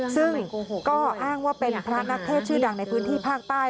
ซึ่งก็อ้างว่าเป็นพระนักเทศชื่อดังในพื้นที่ภาคใต้